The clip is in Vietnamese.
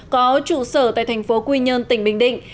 có trụ sở tại thành phố quy nhơn tỉnh bình định